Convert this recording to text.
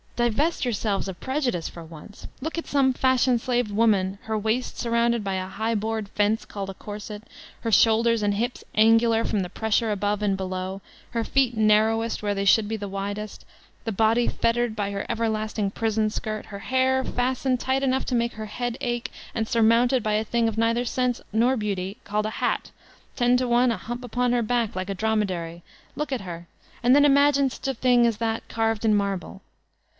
Divest yourselves of prejudice for once. Look at some fashion slaved woman, her waist surrounded by a high board fence called a corset, her shoulders and hips angular from the pressure above and below, her feet narrowest where they should be widest, the body fettered by her everlasting prison skirt, her hair fastened tight enough to make her head ache and surmounted by a thing of neither sense nor beauty, called a hat, ten to one a hump upon her back like a dromedary, — look at her, and then imagine such a thing as that carved in marble!